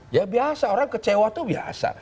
ya biasa orang kecewa itu biasa